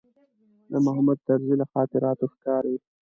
د محمود طرزي له خاطراتو ښکاري.